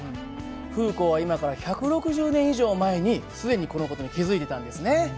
フーコーは今から１６０年以上前に既にこの事に気付いてたんですね。